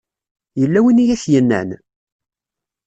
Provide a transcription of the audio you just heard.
Yella win i ak-yennan?